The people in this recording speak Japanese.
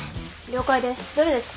了解です。